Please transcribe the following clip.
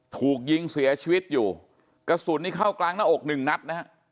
ถูกยิงเสียชีวิตอยู่กระสุนนี้เข้ากลางหน้าอกหนึ่งนัดนะฮะ